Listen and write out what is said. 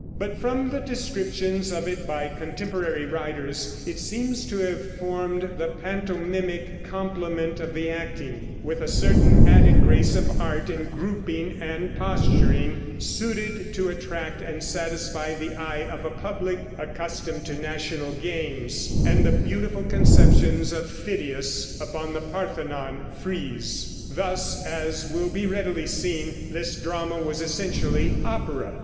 But from the descriptions of it by contemporary writers, it seems to have formed the pantomimic complement of the acting, with a certain added grace of art in grouping and posturing, suited to attract and satisfy the eye of a public accustomed to national games, and the beautiful conceptions of Phidias upon the Parthenon frieze. Thus, as will be readily seen, this drama was essentially opera.